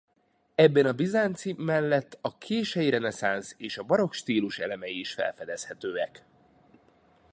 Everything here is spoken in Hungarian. Ebben a bizánci mellett a kései reneszánsz és a barokk stílus elemei is felfedezhetők.